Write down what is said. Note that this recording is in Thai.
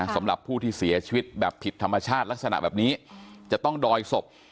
สำหรับผู้ที่เสียชีวิตแบบผิดธรรมชาติลักษณะแบบนี้จะต้องดอยศพ